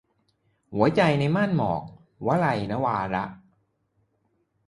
หัวใจในม่านหมอก - วลัย นวาระ